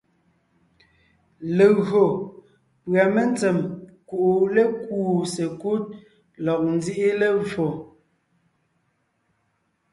Legÿo pʉ́a mentsèm kuʼu lékúu sekúd lɔg nzíʼi levfò,